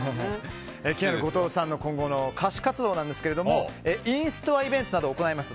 気になる後藤さんの今後の歌手活動なんですけどもインストアイベントなどを行います。